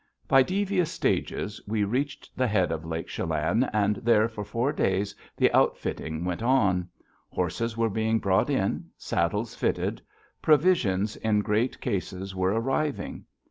By devious stages we reached the head of Lake Chelan, and there for four days the outfitting went on. Horses were being brought in, saddles fitted; provisions in great cases were arriving.